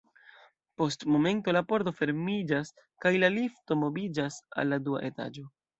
Post momento la pordo fermiĝas kaj la lifto moviĝas al la dua etaĝo.